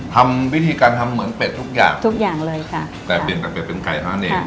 ทำวิธีการทำเหมือนเป็ดทุกอย่างทุกอย่างเลยค่ะแต่เปลี่ยนจากเป็ดเป็นไก่เท่านั้นเอง